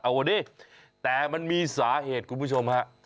เอาวะนี่แต่มันมีสาเหตุคุณผู้ชมค่ะ